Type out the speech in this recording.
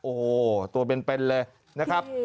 โอ้โหตัวเป็นเลยนะครับ